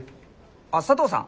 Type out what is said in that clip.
あっ佐藤さん？